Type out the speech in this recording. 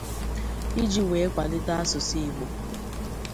iji wee kwalite asụsụ Igbo